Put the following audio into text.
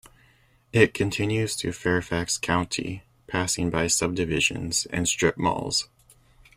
It continues through Fairfax County, passing by subdivisions and strip malls.